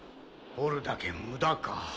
掘るだけムダか。